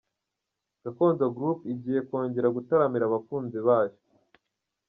Gakondo Group igiye kongera gutaramira abakunzi bayo.